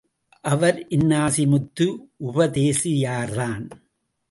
அவர் Innasimuthu உபதேசியார்தான்.